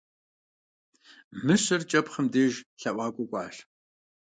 Мыщэр кӀэпхъым деж лъэӀуакӀуэ кӀуащ.